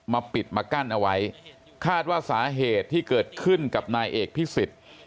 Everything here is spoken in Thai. ปิดมากั้นเอาไว้คาดว่าสาเหตุที่เกิดขึ้นกับนายเอกพิสิทธิ์